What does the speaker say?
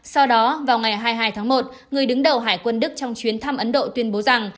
sau đó vào ngày hai mươi hai tháng một người đứng đầu hải quân đức trong chuyến thăm ấn độ tuyên bố rằng